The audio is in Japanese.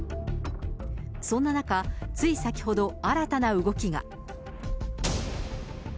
そんな中、つい先ほど、新たな動きが。